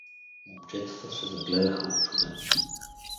Момчетата се загледаха учудено.